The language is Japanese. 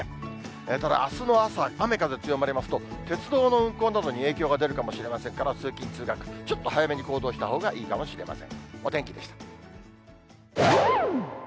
ただ、あすの朝、雨風強まりますと、鉄道の運行などに影響が出るかもしれませんから通勤・通学、ちょっと早めに行動したほうがいいかもしれません。